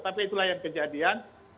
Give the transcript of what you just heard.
tapi itulah yang kejadian